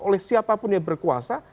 oleh siapapun yang berkuasa